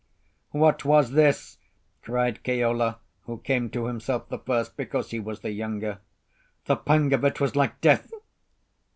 "What was this?" cried Keola, who came to himself the first, because he was the younger. "The pang of it was like death."